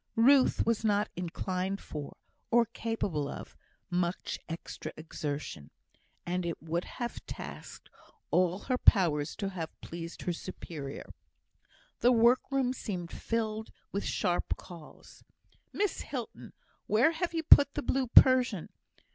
Ruth was not inclined for, or capable of, much extra exertion; and it would have tasked all her powers to have pleased her superior. The work room seemed filled with sharp calls. "Miss Hilton! where have you put the blue Persian?